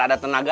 biar ada tenaga